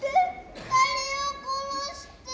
二人を殺して。